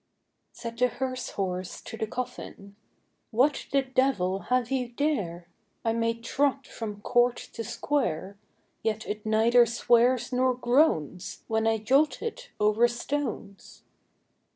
Said the hearse horse to the coffin, "What the devil have you there? I may trot from court to square, Yet it neither swears nor groans, When I jolt it over stones."